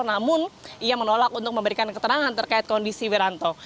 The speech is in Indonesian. namun ia menolak untuk memberikan keterangan terkait kondisi wiranto